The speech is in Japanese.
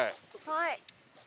はい。